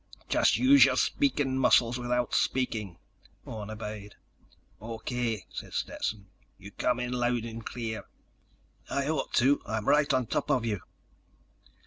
Just use your speaking muscles without speaking." Orne obeyed. "O.K.," said Stetson. "You come in loud and clear." "I ought to. I'm right on top of you!"